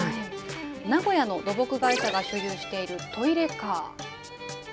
名古屋の土木会社が所有しているトイレカー。